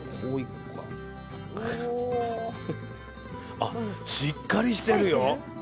あしっかりしてるよ。